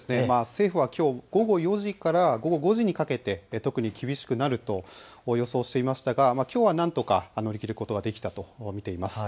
政府はきょう午後４時から午後５時にかけて特に厳しくなると予想していましたが、きょうはなんとか乗り切ることができたと見ています。